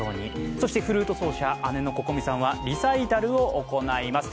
そしてフルート奏者、姉のＣｏｃｏｍｉさんはリサイタルを行います。